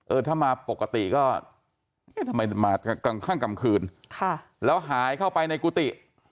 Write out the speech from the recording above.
ถ้ามาปกติก็เอ๊ะทำไมมากลางข้างกลางคืนค่ะแล้วหายเข้าไปในกุฏิ